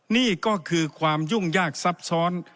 นี่ก็คือความยุ่งยากซับซ้อน